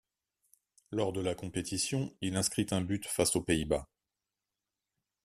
Lors de la compétition, il inscrit un but face aux Pays-Bas.